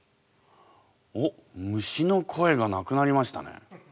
おっ「虫の声」がなくなりましたね。